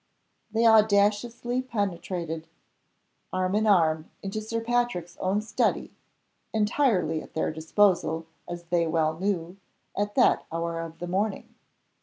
They audaciously penetrated, arm in arm, into Sir Patrick's own study entirely at their disposal, as they well knew, at that hour of the morning.